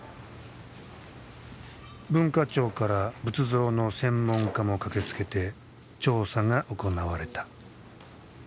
文化庁から仏像の専門家も駆けつけて調査が行われた。